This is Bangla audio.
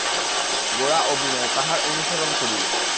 গোরা ও বিনয় তাঁহার অনুসরণ করিল।